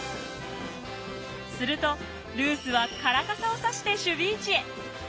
するとルースは唐傘を差して守備位置へ。